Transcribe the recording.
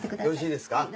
よろしいですか？